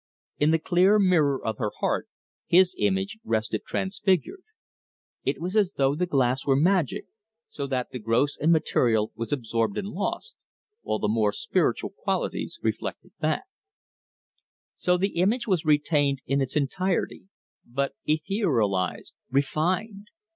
In the clear mirror of her heart his image rested transfigured. It was as though the glass were magic, so that the gross and material was absorbed and lost, while the more spiritual qualities reflected back. So the image was retained in its entirety, but etherealized, refined.